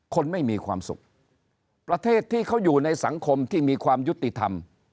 คนไม่มีความสุขประเทศที่เขาอยู่ในสังคมที่มีความยุติธรรม